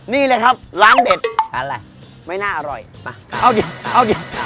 นี่เลยครับร้านเด็ดร้านอะไรไม่น่าอร่อยมาเอาเดี๋ยวเอาเดี๋ยว